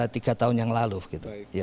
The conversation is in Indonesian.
tiga tahun yang lalu gitu